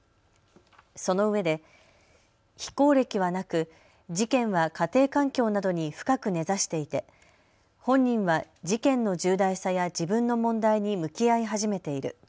そのうえで非行歴はなく、事件は家庭環境などに深く根ざしていて本人は事件の重大さや自分の問題に向き合い始めている。